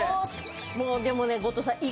でもね後藤さん。